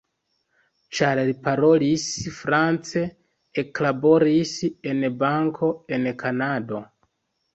Ĉar li parolis france, eklaboris en banko, en Kanado.